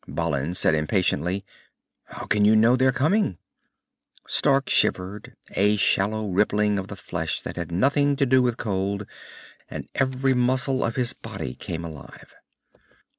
Balin said impatiently, "How can you know they're coming?" Stark shivered, a shallow rippling of the flesh that had nothing to do with cold, and every muscle of his body came alive.